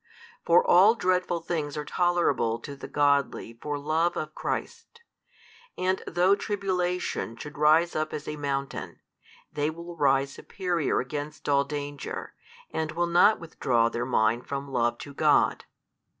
for all dreadful things are tolerable to the godly for love of Christ, and though tribulation should rise up as a mountain, they will rise superior against all danger, and will not withdraw their mind from love to God.